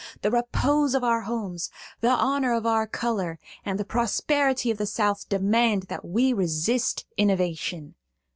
The repose of our homes, the honor of our color, and the prosperity of the South demand that we resist innovation.